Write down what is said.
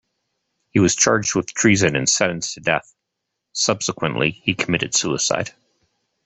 He was charged with treason and sentenced to death; subsequently, he committed suicide.